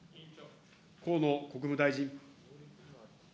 河野国務大臣。